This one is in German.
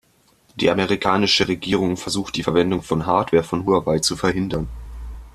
Die amerikanische Regierung versucht die Verwendung von Hardware von Huawei zu verhindern.